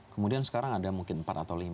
kemudian sekarang ada mungkin empat atau lima